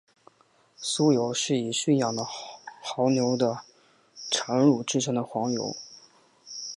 酥油是以驯养的牦牛的产乳制成的黄油。